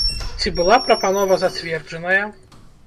Ці была прапанова зацверджаная?